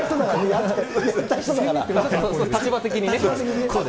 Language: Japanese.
立場的にね。